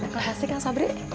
makasih kang sobri